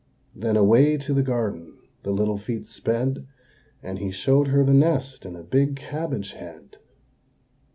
Then away to the garden the little feet sped, And he showed her the nest in a big cabbage head!